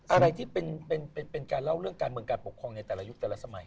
อะไรที่เป็นการเล่าเรื่องการเมืองการปกครองในแต่ละยุคแต่ละสมัย